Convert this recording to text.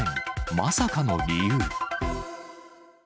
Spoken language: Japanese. まさかの理由。